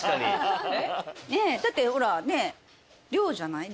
だってほらねえ量じゃない量。